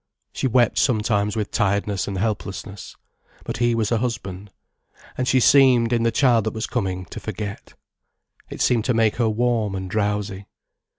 She wept sometimes with tiredness and helplessness. But he was a husband. And she seemed, in the child that was coming, to forget. It seemed to make her warm and drowsy.